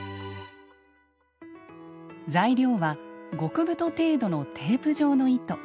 材料は極太程度のテープ状の糸。